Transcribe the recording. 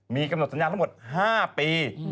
มีกำหนดสัญญาทั้งหมด๕ปี